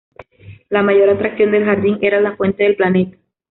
La mayor atracción del jardín era la "fuente del planeta".